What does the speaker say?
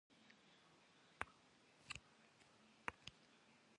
Mıxhumı'eşşxueu khısşoxhu.